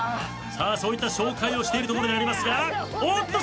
そういった紹介をしているところでありますがおっと！